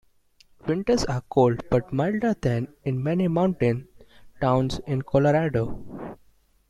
Winters are cold, but milder than in many mountain towns in Colorado.